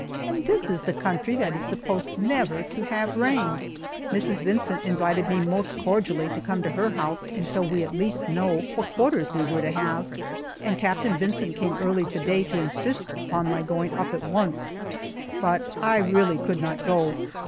And this is the country that is supposed never to have rain! Mrs. Vincent invited me most cordially to come to her house until we at least knew what quarters we were to have, and Captain Vincent came early to day to insist upon my going up at once, but I really could not go.